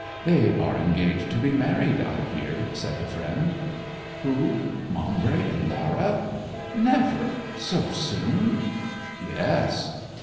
'They are engaged to be married, I hear,' said the friend. 'Who Maumbry and Laura? Never so soon?' 'Yes.'